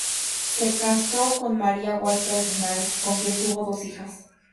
Se casó con "María Walker Linares", con quien tuvo dos hijas.